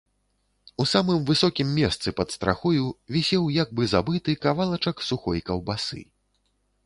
У самым высокім месцы пад страхою вісеў як бы забыты кавалачак сухой каўбасы.